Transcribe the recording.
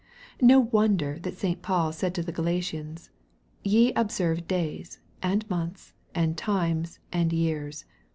No wonder that St. Paul said to the Gala tians, " Ye observe days, and months, and times, and years.